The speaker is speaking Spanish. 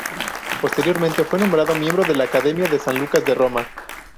Posteriormente fue nombrado miembro de la Academia de San Lucas de Roma.